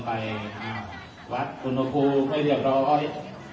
ไปอ่าวัดคุณพูไม่เรียบร้อย